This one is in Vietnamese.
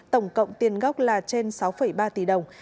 tổng cộng tiền gốc là trên sáu ba tỷ đồng